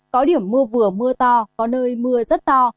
có điểm mưa vừa mưa to có nơi mưa rất to